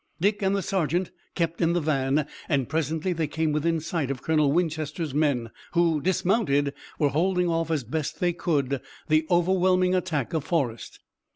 Dick and the sergeant kept in the van, and presently they came within sight of Colonel Winchester's men, who, dismounted, were holding off as best they could the overwhelming attack of Forrest.